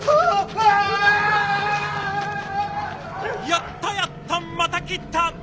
やったやったまた斬った！